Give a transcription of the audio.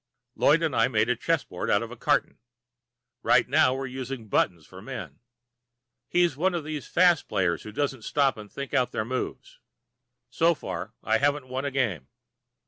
Lloyd and I made a chessboard out of a carton. Right now we're using buttons for men. He's one of these fast players who don't stop and think out their moves. And so far I haven't won a game.